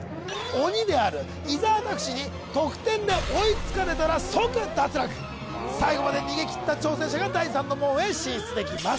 鬼である伊沢拓司に得点で追いつかれたら即脱落最後まで逃げ切った挑戦者が第三の門へ進出できます